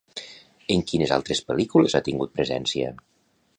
En quines altres pel·lícules ha tingut presència?